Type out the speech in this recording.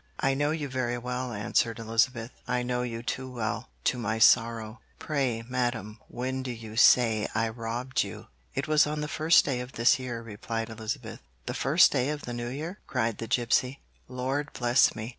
'I know you very well,' answered Elizabeth; 'I know you too well, to my sorrow.' 'Pray, madam, when do you say I robbed you?' 'It was on the first day of this New Year,' replied Elizabeth. 'The first day of the New Year?' cried the gipsy. 'Lord bless me!